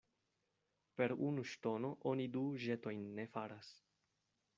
Per unu ŝtono oni du ĵetojn ne faras.